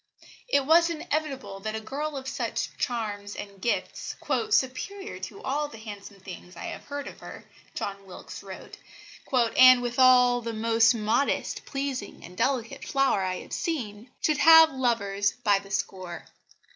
It was inevitable that a girl of such charms and gifts "superior to all the handsome things I have heard of her," John Wilkes wrote, "and withal the most modest, pleasing and delicate flower I have seen" should have lovers by the score.